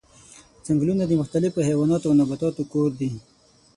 ځنګلونه د مختلفو حیواناتو او نباتاتو کور دي.